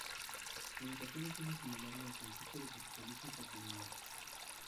En ocasiones es asimilable al concepto de capitalismo patrimonial.